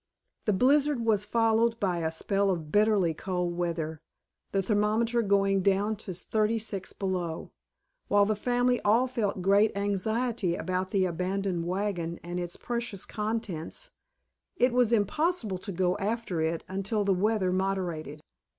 The blizzard was followed by a spell of bitterly cold weather, the thermometer going down to thirty six below. While the family all felt great anxiety about the abandoned wagon and its precious contents it was impossible to go after it until the weather moderated.